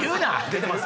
出てます